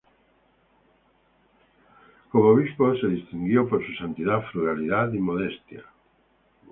Como obispo, se distinguió por su santidad, frugalidad y modestia.